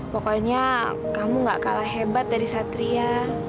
pokoknya kamu gak kalah hebat dari satria